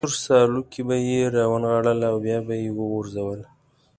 په سور سالو کې به یې را ونغاړله او بیا به یې وروغورځوله.